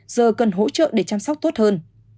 giờ cần hỗ trợ để chăm sóc tốt hơn